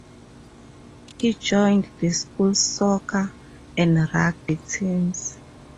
He joined the school's soccer and rugby teams.